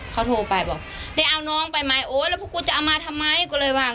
เขาโทรไปบอกได้เอาน้องไปไหมโอ๊ยแล้วพวกกูจะเอามาทำไมก็เลยว่า